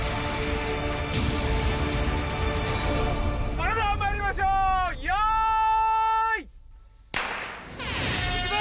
それではまいりましょう用意いくぞ！